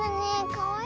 かわいい。